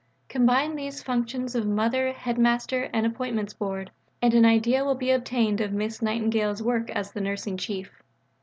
Combine these functions of mother, headmaster, and Appointments Board, and an idea will be obtained of Miss Nightingale's work as the Nursing Chief.